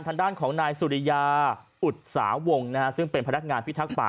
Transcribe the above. ทางด้านของนายสุริยาอุตสาวงนะฮะซึ่งเป็นพนักงานพิทักษ์ป่า